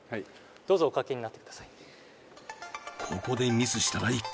どうぞおかけになってください